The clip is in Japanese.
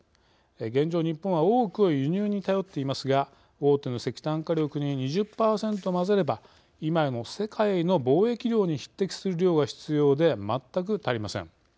現状、日本は多くを輸入に頼っていますが大手の石炭火力に２０％混ぜれば今の世界の貿易量に匹敵する量が必要でまったく足りません。